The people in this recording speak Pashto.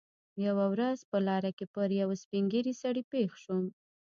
یوه ورځ په لاره کې پر یوه سپین ږیري سړي پېښ شوم.